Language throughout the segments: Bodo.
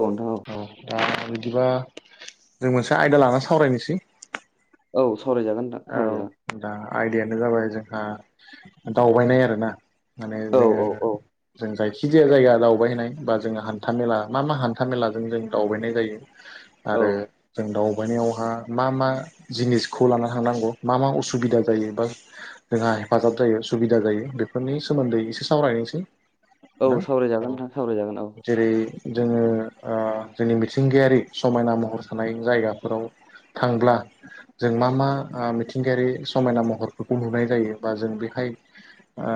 औ नोंथां औ दा बिदिबा जों मोनसे आयदा लानानै सावरायनोसै औ सावरायजागोन। नोंथां सावरायजागोन औ दा आयदायानो जाबाय जोंहा दावबायनाय आरो ना। माने औ जोङो औ जों जायखि जाया जायगा दावबायहैनाय बा जोङो हान्थामेला मा मा हान्था मेलाजों जों दावबायनाय जायो। [inaudible] आरो जों दावबायनायावहा मा मा जिनिसखौ लाना थांनांगौ मा मा असुबिदा जायो बा जोंहा हेफाजाब जायो सुबिदा जायो बेफोरनि सोमोन्दै एसे सावरायनोसै। औ सावरायजागोन नोंथां सावरायजागोन औ। जेरै जोङो ओ जोंनि मिथिंगायारि समायना महर थानाय जायगाफोराव थांब्ला जों मा मा आ मिथिंगायारि समायना महरफोरखौ नुनाय जायो बा जों बेहाय आ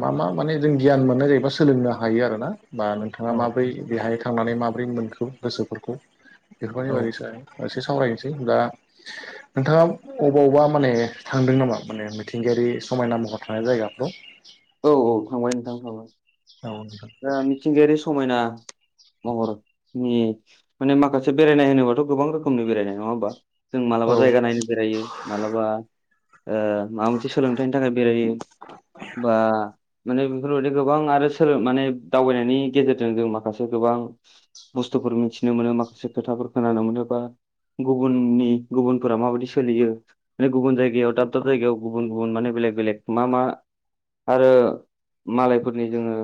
मा मा माने जों गियान मोननाय जाहैबा सोलोंनो हायो आरोना बा नोंथाङा औ माबोरै बेहाय थांनानै माबोरै मोनखो गोसोफोरखौ [inaudible] बेफोरनि बागैसो आ एसे सावरायनोसै दा नोंथाङा अबावबा माने थांदों नामा माने मिथिंगायारि समायना महर थानाय जायगाफ्राव औ औ थांबाय नोंथां थांबाय। औ नोंथां दा दे मिथिंगायारि समायना महरनि माने माखासे बेरायनाय होनोबाथ' गोबां रोखोमनि बेरायनाय नङा होमबा। जों मालाबा औ जायगा नायनो बेरायो मालाबा ओ माबा मोनसे सोलोंथाइनि थाखाय बेरायो [inaudible] बा माने बेफोरबायदि गोबां आरो माने दावबायनायनि गेजेरजों जों माखासे गोबां बुस्थुफोर मिथिनो मोनो माखासे खोथाफोर खोनानो मोनो बा गुबुननि गुबुनफोरा माबायदि सोलियो माने गुबुन जायगायाव दाब दाब जायगायाव गुबुन गुबुन माने बेलेग बेलेग मा मा आरो मालायफोरनि जोङो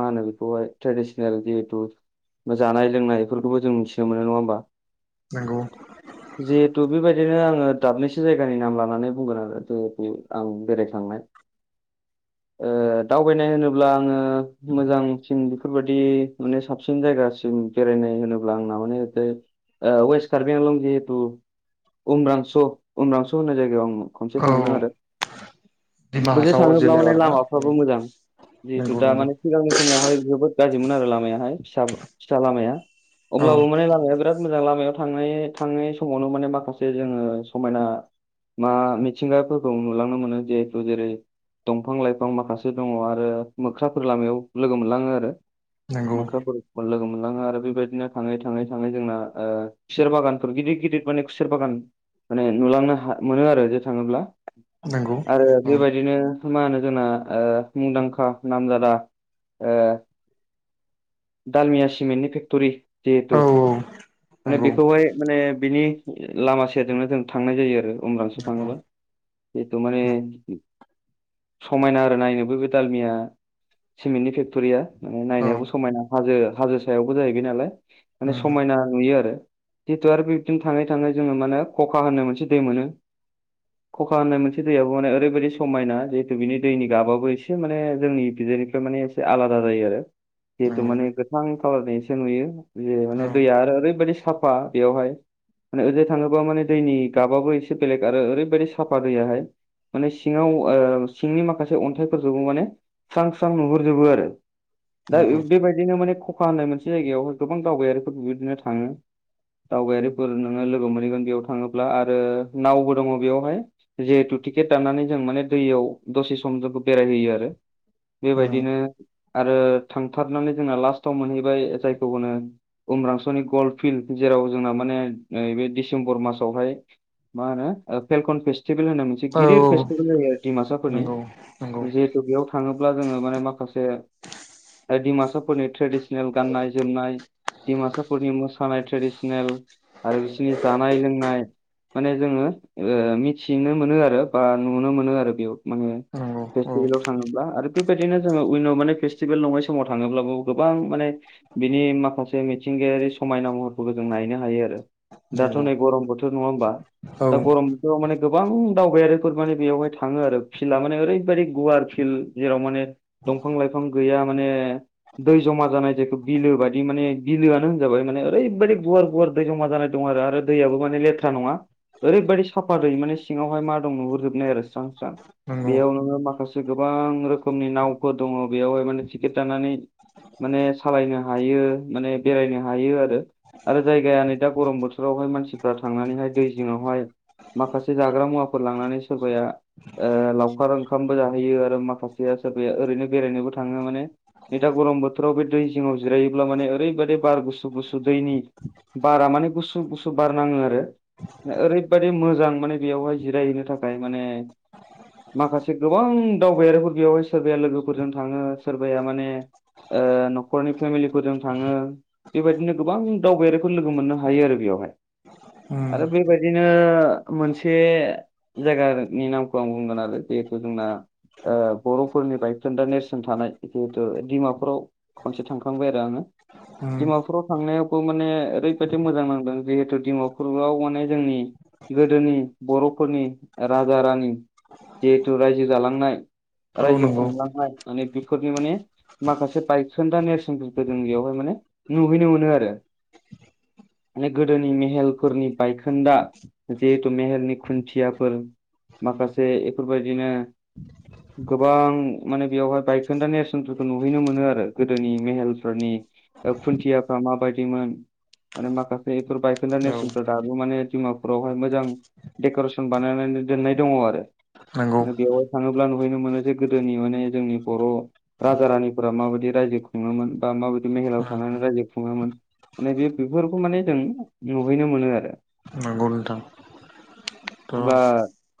मा होनो बेखौहाय ट्रेडिसनेल जिहेथु जानाय लोंनायफोरखौबो जों मिथिनो मोनो नङा होमबा नंगौ [inaudible] जिहेथु बेबायदिनो आङो दाबनैसो जायगानि नाम लानानै बुंगोन आरो जिहेथु आं बेरायखांनाय दावबायनाय होनोब्ला आङो मोजांसिन बेफोरबायदि माने साबसिन जायगासिम बेरायनाय होनोब्ला आंना माने वेस कार्बिआंलं जिहेथु उम्रांस' उम्रांस' होननाय जायगायाव आं खनसे औ थांदों आरो दिमा बोजों हासाव थाङोब्ला जिल्लायाव माने आरोना लामाफ्राबो औ मोजां जिहेतु नंगौ दा नंगौ माने सिगांनि समावहाय जोबोद गाज्रिमोन आरो लामायाहाय फिसा फिसा लामाया औ अब्लाबो माने लामाया बिराद बिराद मोजां लामायाव थांनाय थांनाय समावनो माने माखासे जोङो समायना मा मिथिंगाफोरखौ नुलांनो मोनो जिहेथु जेरै दंफां लाइफां माखासे दङ आरो मोख्राफोर लामायाव लोगो मोनलाङो आरो नंगौ मोख्राफोरखौ लोगो मोनलाङो आरो बेबायदिनो थाङै थाङै थाङै जोंना ओ खुसेर बागानफोर गिदिर गिदिर माने खुसेर बागान माने नुलांनो मोनो आरो जे थाङोब्ला नंगौ आरो औ बेबायदिनो मा होनो जोंना ओ मुंदांखा नामजादा ओ दालमिया सिमेन्टनि फेक्ट'रि औ जिहेतु माने नंगौ बेखौहाय माने बिनि लामा सेरजोंनो जों थांनाय जायो आरो उमरांस' नंगौ थाङोब्ला जिथु माने समायना आरो नायनोबो बे दालमिया सिमेन्टनि फेक्ट'रिया औ नायनायावबो समायना हाजो हाजो सायावबो जाहैबाय नालाय उम माने समायना नुयो आरो जितु आरो बिबदिनो थाङै थाङै जोङो माने खखा होननो मोनसे दै मोनो [inaudible] खखा होननाय मोनसे दैयाबो माने ओरैबायदि समायना जिहेतु बिनि दैनि गाबाबो एसे माने जोंनिथिंनिफ्राय माने एसे आलादा जायो आरो जिहेतु नंगौ माने गोथां कालारनि इसे नुयो जे औ माने दैया आरो ओरैबायदि साफा बेयावहाय माने ओंजों हाय थाङोब्ला माने दैनि गाबाबो एसे बेलेग आरो ओरैबायदि साफा दैयाहाय माने सिङाव ओ सिंनि माखासे अन्थाइफोरखौबो माने स्रां स्रां नुहुरजोबो आरो दा नंगौ बेबायदिनो माने खखा होननाय मोनसे जायगायाव गोबां दावबायारिफोर बिबायदिनो थाङो दावबायारिफोर नोङो लोगो मोनहैगोन बेयाव थाङोब्ला आरो नावबो दङ बेयावहाय जिहेथु टिकेट दाननानै जों माने दैयाव दसे सम जोंखौ बेरायहोयो आरो उम बेबायदिनो आरो थांथारनानै जोंना लास्टआव मोनहैबाय जायखौ होनो उम्रांस'नि गल्फ फिल्ड जेराव जोंना माने नैबे डिसेम्बर मासावहाय मा होनो फेलकन फेस्टिभेल होननाय मोनसे औ गिदिर फेस्टिभेल जायो आरो दिमासाफोरनि नंगौ नंगौ जिहेतु बेयाव थाङोब्ला जोङो माने माखासे दिमासाफोरनि ट्रेडिसनेल गाननाय जोमनाय दिमासाफोरनि मोसानाय ट्रेडिसनेल आरो बिसोरनि जानाय लोंनाय माने जोङो मिथिनो मोनो आरो बा नुनो मोनो आरो बेयाव माने नंगौ औ फेस्टिभेलाव थाङोब्ला आरो बेबायदिनो जोङो उइनव माने फेस्टिभेल नङै समाव थाङोब्लाबो गोबां माने बिनि माखासे मिथिंगायारि समायना महरफोरखौ जों नायनो हायो आरो दाथ' नंगौ नै गरम बोथोर नङा होमबा औ दा गरम बेयाव माने गोबां दावबायारिफोर माने बेवहाय थाङो आरो फिलआ माने ओरैबायदि गुवार फिल्ड जेराव माने दंफां लाइफां गैया माने दै जमा जानाय जेखौ बिलो बायदि माने बिलोआनो होनजाबाय माने ओरैबायदि गुवार गुवार दै जमा जानाय दं आरो दैयाबो माने लेथ्रा नङा ओरैबायदि साफा दैै माने सिङावहाय मा दं नुहुरजोबनाय आरो स्रां स्रां नंगौ बेयाव नोङो माखासे गोबां रोखोमनि नावफोर दङ बेयावहाय माने टिकेट दाननानै माने सालायनो हायो माने बेरायनो हायो आरो आरो जायगाया नै दा गरम बोथोरावहाय मानसिफ्रा थांनानैहाय दै जिङावहाय माखासे जाग्रा मुवाफोर लांनानै सोरबाया ओ लावखार ओंखामबो जाहैयो आरो माखासेया सोरबाया ओरैनो बेरायनोबो थाङो माने नै दा गरम बोथोराव बे दै जिङाव जिरायोब्ला माने ओरैबायदि बार गुसु गुसु दैनि बारा माने गुसु गुसु बार नाङो आरो ओरैबादि मोजां माने बेयावहाय जिरायहैनो थाखाय माने माखासे गोबां दावबायारिफोर बेवहाय सोरबाया लोगोफोरजों थाङो सोरबाया माने ओ नखरनि फेमिलिफोरजों थाङो बेबायदिनो गोबां दावबायारिफोर लोगो मोननो हायो आरो बेवहाय उम आरो बेबायदिनो मोनसे जायगानि नामखौ आं बुंगोन आरो जिहेथु जोंना बर'फोरनि बायखोन्दा नेरसोन थानाय जिहेतु डिमापुराव खनसे थांखांबाय आरो आङो उम डिमापुराव थांनायावबो माने ओरैबादि मोजां नांदों जिहेतु डिमापुराव माने जोंनि गोदोनि बर'फोरनि राजा रानि जिहेथु रायजो जालांनाय औ रायजो नंगौ खुंलांनाय माने बेफोरनि माने माखासे बायखोन्दा नेेरसोनफोरखो जों बेयावहाय माने नुहैनो मोनो आरो माने गोदोनि मेहेलफोरनि बायखोन्दा जिहेथु मेहेलनि खुन्थियाफोर माखासे एफोरबायदिनो गोबां माने बेयावहाय बाय खोनदा नेरसोनफोरखौ नुहैनो मोनो आरो गोदोनि मेहेलफोरनि खुन्थियाफ्रा माबादिमोन माने माखासे एफोर बायखोनदा औ नेरसोनखौ दाबो माने डिमापुरावहाय मोजां डेक'रेसन बानायनानै दोननाय दङ आरो नंगौ माने बेवहाय थाङोब्ला नुहैनो मोनो जे गोदोनि माने जोंनि बर' राजा रानिफोरा माबादि रायजो खुङोमोन बा माबायदि मेहेलायाव उम थांनानै रायजो खुङोमोन माने बे-बेफोरखौ माने जों नुहैनो मोनो आरो नंगौ नोंथां थ' अब्ला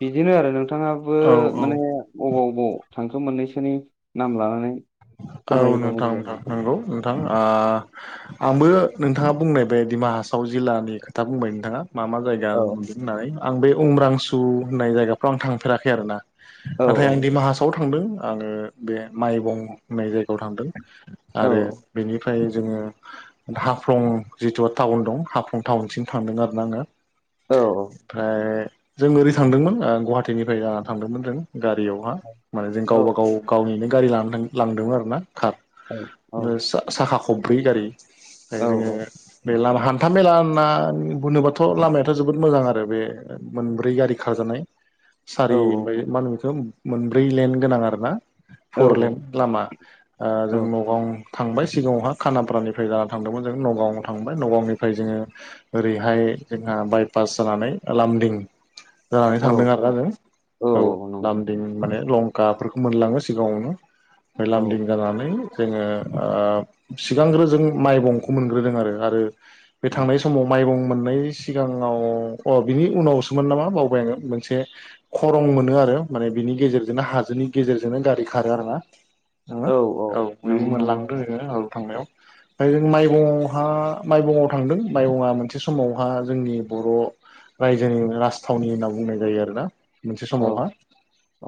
बिदिनो आरो नोंथाङाबो औ औ माने अबाव अबाव थांखो मोननैसोनि नाम लानानै औ फोरमायोबा नोंथां मोजां जागोन नोंथां नंगौ नोंथां आ आंबो नोंथाङा बुंनाय बे दिडमा हासाव जिल्लानि खोथा बुंबाय नोंथाङा मा मा जाय गा औ होननानै आं बे उम्रांसु होननाय जायगाफ्राव आं थांफेराखै आरो ना औ नाथाय आं दिमा हासाव थांदों आङो बे माइबं होननाय जायगायाव थांदों औ आरो बेनिफ्राय जोङो हाफ्लं जिथु टाउन दं हाफ्लं टाउनसिम थांदों आरो ना आङो औ औ ओमफ्राय जों ओरै थांदोंमोन ओ गुवाहाटीनिफ्राय ओ जाना थांदोंमोन जों गारियावहा माने जों औ गावबा गाव गावनिनो गारि लानानै थांदों लांदों लांदोंमोन आरो ना कार औ ओ साखा खबब्रै गारि [unintelligible] औ जोङो बे लामा हान्था मेला ना होनोबाथ' लामायाथ' जोबोद मोजां आरो बे मोनब्रै गारि खारजानाय औ सारि ओमफ्राय मा होनो बेखौ मोनब्रै लेन गोनां आरोना औ फर लेन लामा ओ जों नगाव थांबाय सिगाङावहा खानापारानिफ्राय जाना थांदोंमोन जों नगाव थांबाय नगावनिफ्राय जोङो ओरैहाय जोंहा बायपास जानानै लामदिं जानानै थांदों आरोना जों औ लामदिं माने लं काफोरखौ मोनलाङो सिगाङावनो ओमफाय लामदिं जानानै जोङो ओ सिगांग्रो जों माइबंखौ मोनग्रोदों आरो आरो बे औ थांनाय समाव माइबं मोननायनि सिगाङाव अ बिनि उनावसोमोन नामा बावबाय आङो मोनसे खरं मोनो आरो माने बिनि गेजेरजोंनो हाजोनि गेजेरजोंनो गारि खारो आरो ना नोङो औ नंगौ औ औ बै नंगौ नंगौ मोनलांदो नोङो औ थांनायाव ओमफ्राय जों माइबङआवहा माइबङआव थांदों माइबङआ मोनसे समावहा जोंनि बर' रायजोनि राजथावनि होनना बुंनाय जायो आरो ना मोनसे औ समावहा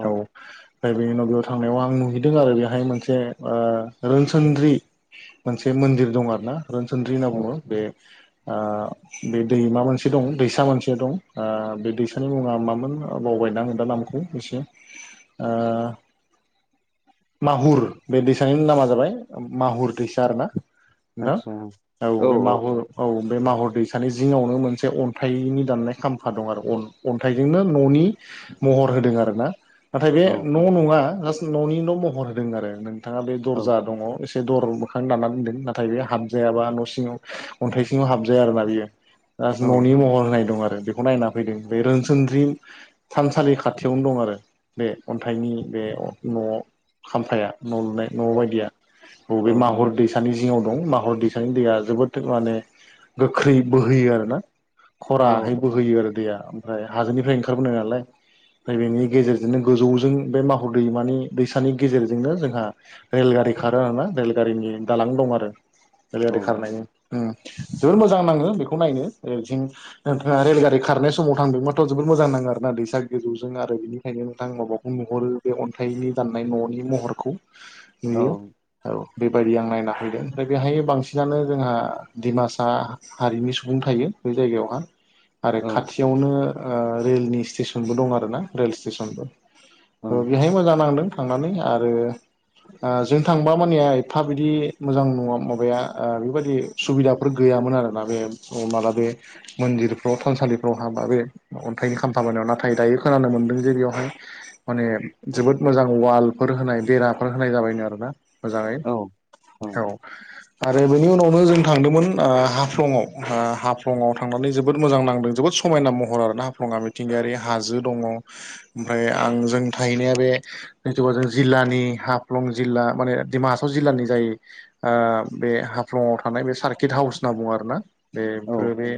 औ ओमफ्राय बेनि उनाव थांनायाव आं नुहैदों आरो बेहाय मोनसे रोनसोनद्रि मोनसे मन्दिर दं आरो ना रोनसोनद्रि होनना औ बुङो बे ओ बे दै मा मोनसे दं दैसा मोनसे दं ओ बे दैसानि मुङा मामोन बावबाय आङो दा नामखौ एसे ओ माहुर बे दैसानि नामा जाबाय माहुर दैसा आरो ना आदसा नोंथां औ बे माहुर औ बे माहुर दैसानि जिङावनो मोनसे अन्थाइनि दाननाय खामफा दं आरो अन्थाइजोंनो न'नि महर होदों आरो ना नाथाय बे न' नङा जास्ट न'नि न' महर होदों आरो नोंथाङा बे औ दर्जा दङ एसे दर मोखां दानना दोनदों नाथाय बेयो हाबजायाबा न' सिङाव अन्थाइ सिङाव हाबजाया आरोना बियो औ न'नि महर होनाय दं आरो बेखौ नायना फैदों बे रोनसोनद्रि थानसालि खाथियावनो दं आरो बे अन्थाइनि बे न'आव खामफाया न' लुनाय न' बायदिया औ अबे औ माहुर दै दैसानि जिङाव दं माहर दैसानि दैया जोबोद माने गोख्रै बोहोयो आरो ना औ खराहै बोहैयो आरो दैेया ओमफ्राय हाजोनिफ्राय ओंखारबोनाय नालाय ओमफ्राय बेनि गेजेरजोंनो गोजौजों बे माहर दैमानि दै सानि गेजेरजोंनो जोंहा रेलगारि खारो आरोना रेलगारिनि दालां दं आरो औ रेलगारि खारनायनि उम जोबोर मोजां नाङो बेखौ नायनो ओरैथिं नोंथाङा रेलगारि खारनाय समाव थांदोंबाथ' जोबोद मोजां नाङो आरोना दैसा गोजौजों आरो बिनि नोंथां माबाखौ नुहरो बे अन्थाइनि दान्नाय न'नि महरखौ औ नुयो औ बेबायदि आं नायना फैदों ओमफ्राय बेहाय बांसिनानो जोंहा डिमासा हारिनि सुबुं थायो बै जायगायावहा [inaudible] आरो खाथियावनो ओ रेलनि स्टेसनबो दं आरो ना रेल स्टेसनबो बेहाय मोजां नांदों थांनानै आरो ओ जों थांबा मानिया एफा बिदि मोजां नङा माबाया ओ बेबायदि सुबिदाफोर गैयामोन आरोना बे माला बे मन्दिरफ्राव थानसालिफ्राव हाबबा बे अन्थाइनि खामफा बानायो नाथाय दायो खोनानो मोनदों जे बेवहाय माने जोबोद मोजां वालफोर होनाय बेराफोर होनाय जाबायनो आरोना मोजाङै औ आरो बेनि उनावनो जों थांदोंमोन ओ हाफ्लंआव हाफ्लंआव थांनानै जोबोद मोजां नांदों जोबोद समायना महर आरोना हाफ्लङा मिथिंगायारि हाजो दङ ओमफ्राय आंजों थाहैनाया बे जिथु जों जिल्लानि हाफ्लं जिल्ला माने डिमा हासाव जिल्लानि जायो ओ बे हाफ्लङाव थानाय बे सार्किट हाउस होनना बुङो आरोना बेफोरो बे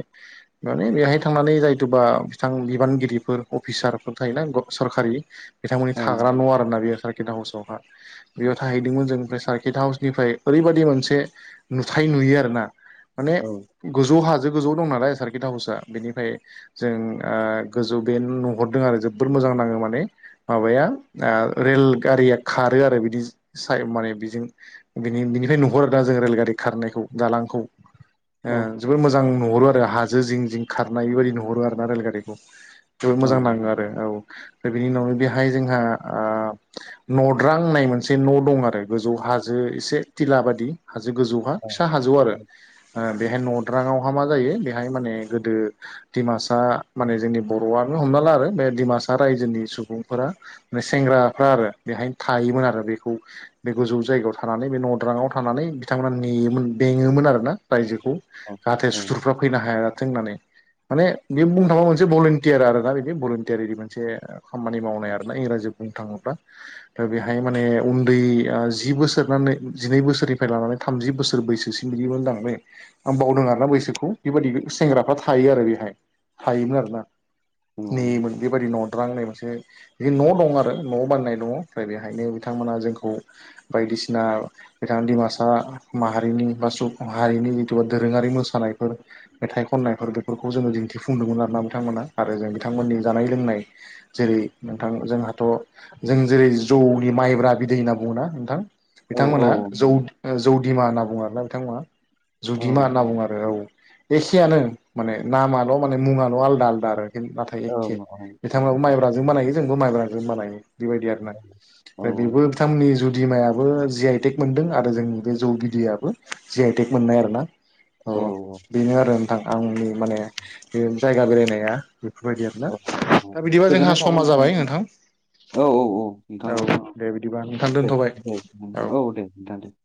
माने बेहाय थांनानै जायथुबा बिथां बिबानगिरिफोर अफिसारफोर थायोना सरकारि औ बिथांमोननि थाग्रा न' आरोना बेयो सारकिदा हसआवहा बेयाव थाहैदोंमोन जों ओमफ्राय सार्किट हाउसनिफ्राय ओरैबायदि मोनसे नुथाय नुयो आरो ना माने गोजौ हाजो गोजौ दं नालाय सार्किट हाउसआ बेनिफ्राय जों गोजौ बेनो नुहरदों आरो जोबोद मोजां नाङो माने माबाया रेल गारिया खारो आरो बिदि स माने बिजों बिनि बिनिफ्राय नुहर आरोना जों रेलगारि खारनायखौ दालांखौ जोबोद मोजां नुहरो आरो हाजो जिं जिं खारनाय बेबायदि नुहरो आरो ना रेलगारिखौ जोबोद मोजां नाङो आरो औ दा बेनि उनावनो बेहाय जोंहा नद्रां होननाय मोनसे न' दं आरो गोजौ हाजो एसे दिला बादि हाजो गोजौहा फिसा हाजो आरो बेहाय नदरांआव अहा मा जायो बेहाय माने गोदो डिमासा माने जोंनि बर'आनो हमना ला आरो बे डिमासा रायजोनि सुबुंफोरा। सेंग्राफ्रा आरो बेहायनो थायोमोन आरो बेखौ बे गोजौ जायगायाव थानानै बे नद्रांआव थानानै बिथांमोना नेयोमोन बेङोमोन आरोना रायजोखौ जाहाथे सुथुरफ्रा फैनो हाया जाथों होननानै माने बि बुंनो थाबा मोनसे भलन्टियार आरो ना बिदि भलन्टियार बिदि मोनसे खामानि मावनाय आरोना इंराजि बुंनो थाङोब्ला दा बेहाय माने उन्दै जि बोसोर जिनै बोसोरनिफ्राय लानानै थामजि बोसोर बैसोसिम बिदिमोन दां बे आं बावदों आरोना बैसोखौ बेबायदि सेंग्राफ्रा थायो आरो बेहाय थायोमोन आरोना नेयोमोन। बेबायदि न'द्रां होननाय मोनसे बिदि न' दं आरो। न' बानायनाय दङ ओमफ्राय बेहायनो बिथांमोना जोंखौ बायदिसिना। बिथां डिमासा माहारिनि बा हारिनि जिथु दोरोङारि मोसानायफोर मेथाइ खननायफोर बेफोरखौ जोङो दिन्थिफुंदोंमोन आरोना बिथांमोना आरो जों बिथांमोननि जानाय लोंनाय। जेरै नोंथां जोंहाथ' जों जेरै जौनि माइब्रा बिदै होनना बुङा नोंथां औ बिथांमोना जौ जौदिमा होनना बुङो आरोना बिथांमोना जुदिमा होनना बुङो आरो औ एखेआनो माने नामाल' माने मुङाल' आलदा आलदा आरो नाथाय एखे बिथांमोनाबो माइब्राजों बानायो जोंबो माइब्राजों बानायो बेबायदि आरो ना। ओमफ्राय बेबो बिथांमोननि जुदिमायाबो जि आइ टेक मोनदों आरो जोंनि बे जौ बिदैयाबो जि आइ टेक मोननाय आरो ना। औ बेनो आरो नोंथां आंनि माने बे जायगा बेरायनाया बेफोरबायदि आरोना दा बिदिबा गोजोननाय जोंहा थाबाय समा जाबाय नोंथां। औ औ औ नोंथां औ दे बिदिबा नोंथां दे दोनथ'बाय दे औ दे नोंथां दे।